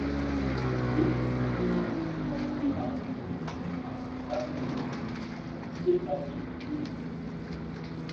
L'élution se fait suivant la séparation désirée par un gradient d'élution isocratique ou non.